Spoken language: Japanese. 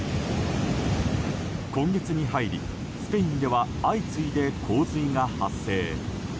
今月に入り、スペインでは相次いで洪水が発生。